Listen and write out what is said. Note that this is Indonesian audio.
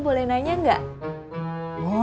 boleh dong mau nanya apaan sejarah kampung sini